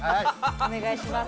お願いします。